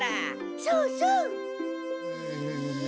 そうそう！